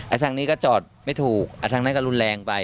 ทางนี้ก็จอดไม่ถูกทางนั้นก็รุนแรงไป